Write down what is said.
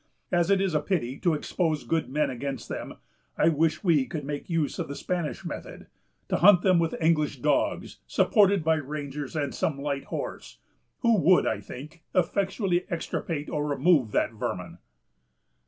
As it is a pity to expose good men against them, I wish we could make use of the Spanish method, to hunt them with English dogs, supported by rangers and some light horse, who would, I think, effectually extirpate or remove that vermin."